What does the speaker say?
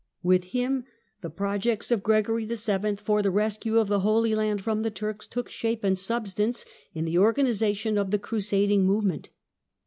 With him the projects of Gregory VII. for the rescue of the Holy Land from the Turks took shape and substance in the organization of the crusading movement.